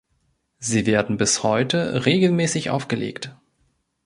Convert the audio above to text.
Sie werden bis heute regelmäßig aufgelegt.